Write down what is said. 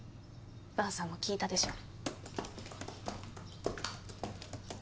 萬さんも聞いたでしょ。